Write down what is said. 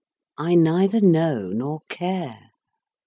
I neither know nor care.